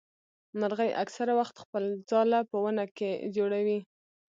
مرغۍ اکثره وخت خپل ځاله په ونه کي جوړوي.